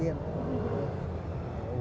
dia berada di kota kuala lumpur